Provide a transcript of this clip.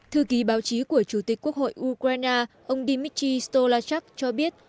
thư ký báo chí của chủ tịch quốc hội ukraine ông dmitry stolachak cho biết